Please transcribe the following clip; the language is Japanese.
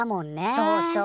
そうそう。